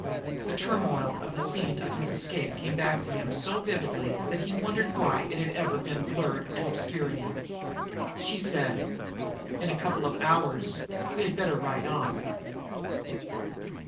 The turmoil of the scene of his escape came back to him so vividly that he wondered why it had ever been blurred to obscurity. She said: "In a couple of hours we'd better ride on."